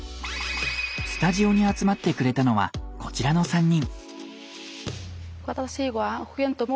スタジオに集まってくれたのはこちらの３人。